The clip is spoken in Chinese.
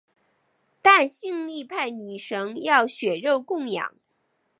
但性力派女神要血肉供养。